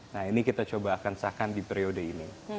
nah ini kita coba akan sahkan di periode ini